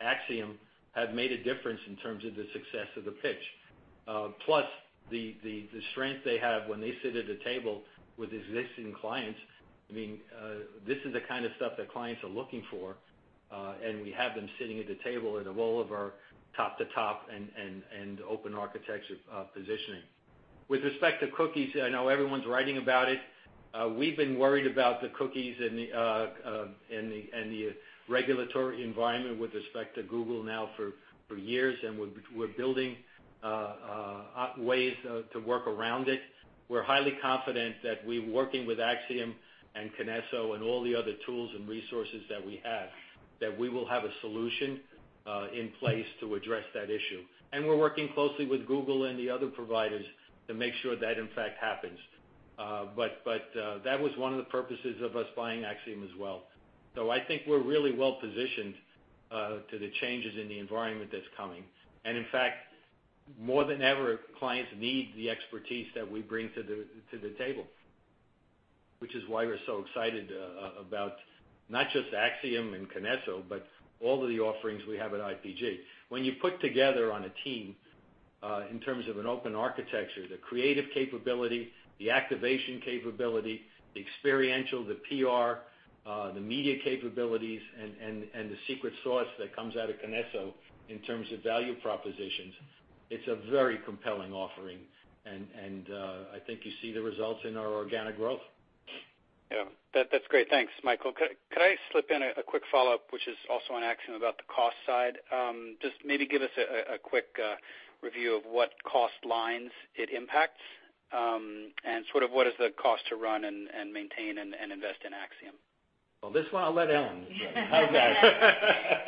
Acxiom, have made a difference in terms of the success of the pitch. Plus, the strength they have when they sit at the table with existing clients, I mean, this is the kind of stuff that clients are looking for, and we have them sitting at the table at all of our top-to-top and open architecture positioning. With respect to cookies, I know everyone's writing about it. We've been worried about the cookies and the regulatory environment with respect to Google now for years, and we're building ways to work around it. We're highly confident that we're working with Acxiom and KINESSO and all the other tools and resources that we have, that we will have a solution in place to address that issue. And we're working closely with Google and the other providers to make sure that, in fact, happens. But that was one of the purposes of us buying Acxiom as well. So I think we're really well-positioned to the changes in the environment that's coming. And in fact, more than ever, clients need the expertise that we bring to the table, which is why we're so excited about not just Acxiom and KINESSO, but all of the offerings we have at IPG. When you put together on a team, in terms of an open architecture, the creative capability, the activation capability, the experiential, the PR, the media capabilities, and the secret sauce that comes out of KINESSO in terms of value propositions, it's a very compelling offering. And I think you see the results in our organic growth. Yeah. That's great. Thanks, Michael. Could I slip in a quick follow-up, which is also on Acxiom about the cost side? Just maybe give us a quick review of what cost lines it impacts and sort of what is the cost to run and maintain and invest in Acxiom? Well, this one I'll let Ellen handle. How's that?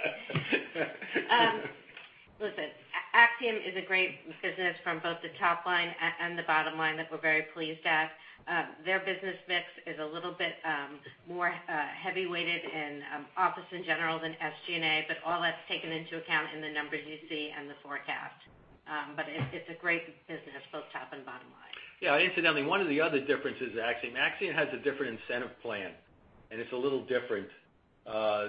Listen, Acxiom is a great business from both the top line and the bottom line that we're very pleased at. Their business mix is a little bit more heavy-weighted in office in general than SG&A, but all that's taken into account in the numbers you see and the forecast, but it's a great business, both top and bottom line. Yeah. Incidentally, one of the other differences is actually Acxiom has a different incentive plan, and it's a little different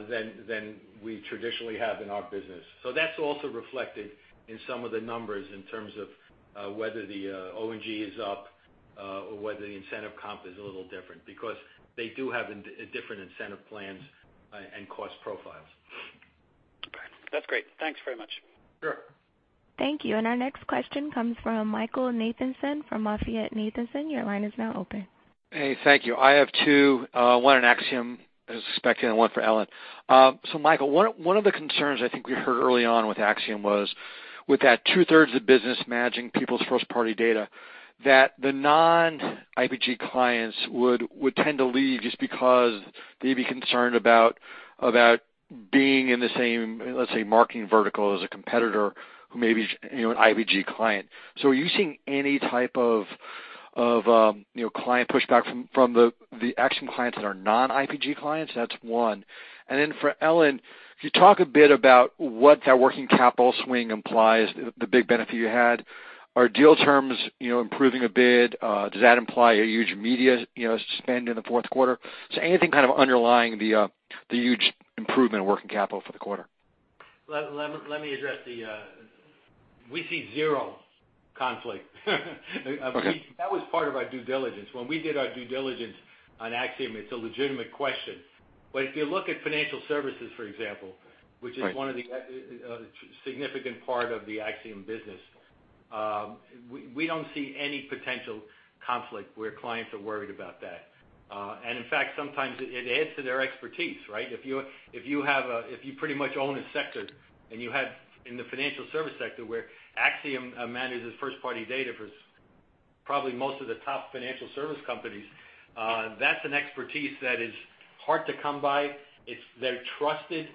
than we traditionally have in our business. So that's also reflected in some of the numbers in terms of whether the opex is up or whether the incentive comp is a little different because they do have different incentive plans and cost profiles. Okay. That's great. Thanks very much. Thank you. And our next question comes from Michael Nathanson from MoffettNathanson. Nathanson, your line is now open. Hey, thank you. I have two, one on Acxiom as expected and one for Ellen. Michael, one of the concerns I think we heard early on with Acxiom was with that 2/3 of business managing people's first-party data, that the non-IPG clients would tend to leave just because they'd be concerned about being in the same, let's say, marketing vertical as a competitor who may be an IPG client. Are you seeing any type of client pushback from the Acxiom clients that are non-IPG clients? That's one. And then for Ellen, could you talk a bit about what that working capital swing implies, the big benefit you had? Are deal terms improving a bit? Does that imply a huge media spend in the fourth quarter? Anything kind of underlying the huge improvement in working capital for the quarter? Let me address that we see zero conflict. That was part of our due diligence. When we did our due diligence on Acxiom, it's a legitimate question. But if you look at financial services, for example, which is one of the significant parts of the Acxiom business, we don't see any potential conflict where clients are worried about that. And in fact, sometimes it adds to their expertise, right? If you pretty much own a sector and you have in the financial service sector where Acxiom manages first-party data for probably most of the top financial service companies, that's an expertise that is hard to come by. They're trusted.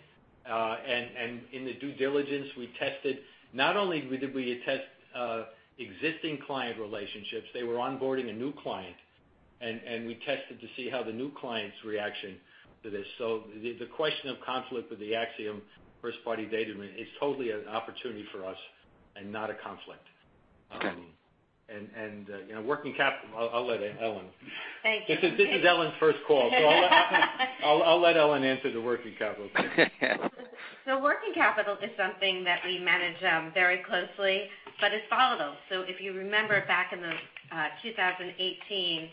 And in the due diligence, we tested not only existing client relationships. They were onboarding a new client. And we tested to see how the new client's reaction to this, so the question of conflict with the Acxiom first-party data is totally an opportunity for us and not a conflict. And working capital, I'll let Ellen. Thank you. This is Ellen's first call. So I'll let Ellen answer the working capital. So working capital is something that we manage very closely, but it's volatile. So if you remember back in 2018,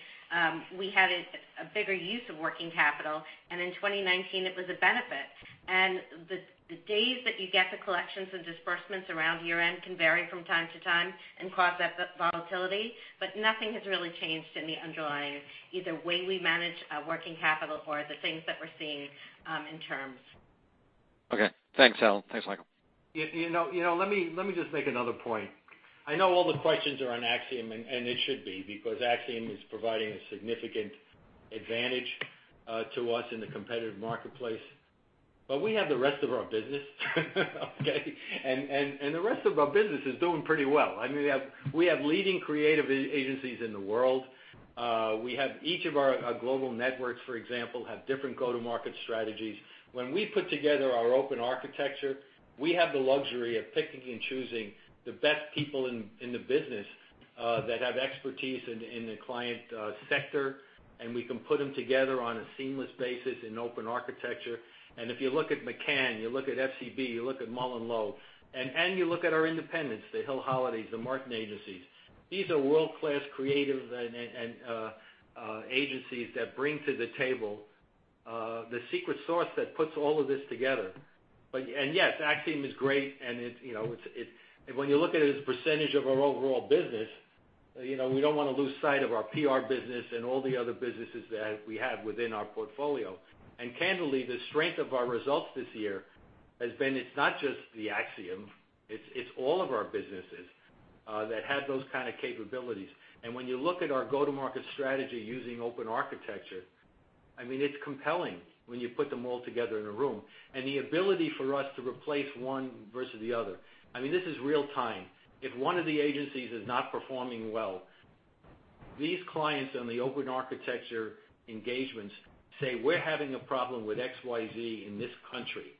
we had a bigger use of working capital. And in 2019, it was a benefit. And the days that you get the collections and disbursements around year-end can vary from time to time and cause that volatility. But nothing has really changed in the underlying either way we manage working capital or the things that we're seeing in terms. Okay. Thanks, Ellen. Thanks, Michael. Let me just make another point. I know all the questions are on Acxiom, and it should be because Acxiom is providing a significant advantage to us in the competitive marketplace. But we have the rest of our business, okay? And the rest of our business is doing pretty well. I mean, we have leading creative agencies in the world. We have each of our global networks, for example, have different go-to-market strategies. When we put together our open architecture, we have the luxury of picking and choosing the best people in the business that have expertise in the client sector. And we can put them together on a seamless basis in open architecture. And if you look at McCann, you look at FCB, you look at MullenLowe, and you look at our independents, the Hill Holliday, the Martin Agency, these are world-class creative agencies that bring to the table the secret sauce that puts all of this together. And yes, Acxiom is great. And when you look at it as a percentage of our overall business, we don't want to lose sight of our PR business and all the other businesses that we have within our portfolio. And candidly, the strength of our results this year has been it's not just the Acxiom; it's all of our businesses that have those kinds of capabilities. And when you look at our go-to-market strategy using open architecture, I mean, it's compelling when you put them all together in a room. And the ability for us to replace one versus the other, I mean, this is real-time. If one of the agencies is not performing well, these clients on the open architecture engagements say, "We're having a problem with XYZ in this country."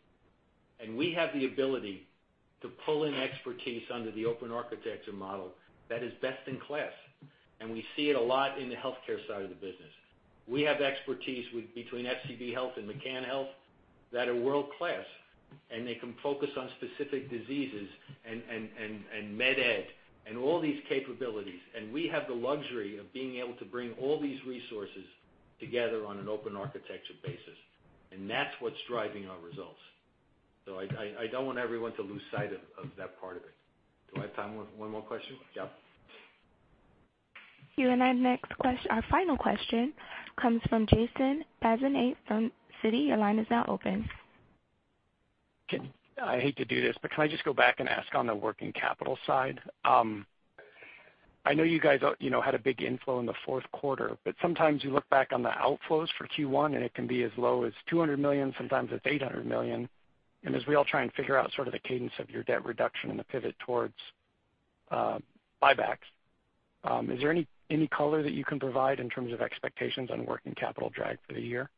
And we have the ability to pull in expertise under the open architecture model that is best in class. And we see it a lot in the healthcare side of the business. We have expertise between FCB Health and McCann Health that are world-class. And they can focus on specific diseases and med-ed and all these capabilities. And we have the luxury of being able to bring all these resources together on an open architecture basis. And that's what's driving our results. So I don't want everyone to lose sight of that part of it. Do I have time for one more question? Yep. Thank you. And our final question comes from Jason Bazinet from Citi. Your line is now open. I hate to do this, but can I just go back and ask on the working capital side? I know you guys had a big inflow in the fourth quarter, but sometimes you look back on the outflows for Q1, and it can be as low as $200 million. Sometimes it's $800 million, and as we all try and figure out sort of the cadence of your debt reduction and the pivot towards buybacks, is there any color that you can provide in terms of expectations on working capital drag for the year?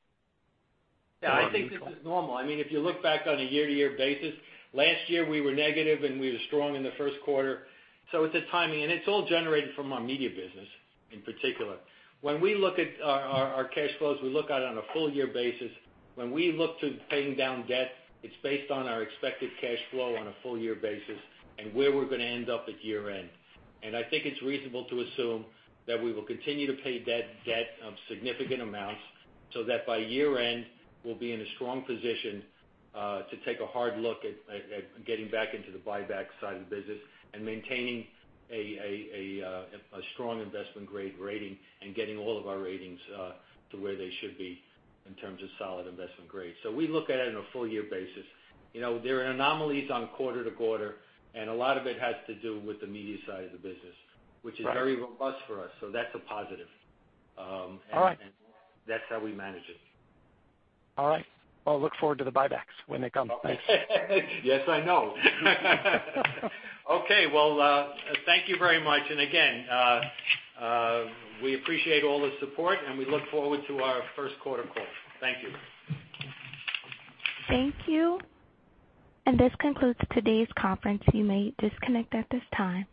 Yeah. I think this is normal. I mean, if you look back on a year-to-year basis, last year we were negative, and we were strong in the first quarter, so it's a timing and it's all generated from our media business in particular. When we look at our cash flows, we look at it on a full-year basis. When we look to paying down debt, it's based on our expected cash flow on a full-year basis and where we're going to end up at year-end, and I think it's reasonable to assume that we will continue to pay debt of significant amounts so that by year-end, we'll be in a strong position to take a hard look at getting back into the buyback side of the business and maintaining a strong investment-grade rating and getting all of our ratings to where they should be in terms of solid investment grade, so we look at it on a full-year basis. There are anomalies on quarter to quarter, and a lot of it has to do with the media side of the business, which is very robust for us, so that's a positive, and that's how we manage it. All right, well, look forward to the buybacks when they come. Thanks. Yes, I know. Okay, well, thank you very much, and again, we appreciate all the support, and we look forward to our first quarter call. Thank you. Thank you, and this concludes today's conference. You may disconnect at this time.